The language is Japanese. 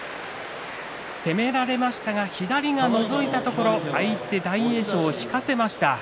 攻められましたが左のぞいたところ相手大栄翔を引かせました。